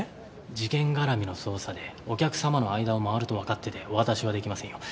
事件絡みの捜査でお客様の間を回るとわかっててお渡しは出来ませんよ。